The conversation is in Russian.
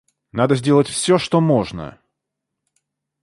Надо сделать всё, что можно.